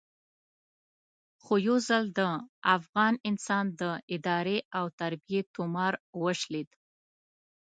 خو یو ځل د افغان انسان د ادارې او تربیې تومار وشلېد.